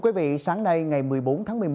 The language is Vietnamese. quý vị sáng nay ngày một mươi bốn tháng một mươi một